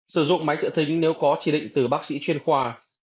sử dụng máy tự thính nếu có chỉ định từ bác sĩ chuyên khoa